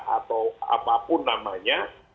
atau apapun namanya